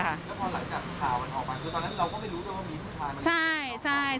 แล้วพอหลังจากทีมข่าวมันออกไปแล้วตอนนั้นเราก็ไม่รู้ว่ามีผู้ชายมาดู